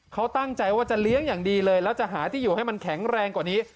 เขาตั้งใจว่าจะเลี้ยงอย่างดีเลยแล้วจะหาที่อยู่ให้มันแข็งแรงกว่านี้